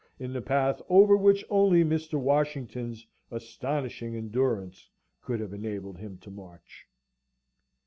in the path over which only Mr. Washington's astonishing endurance could have enabled him to march.